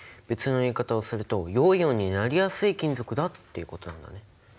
別の言い方をすると陽イオンになりやすい金属だっていうことなんだね。